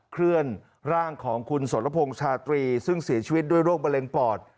เคลื่อนร่างของคุณสรพงษ์ชาตรีซึ่งเสียชีวิตด้วยโรคมะเร็งปอด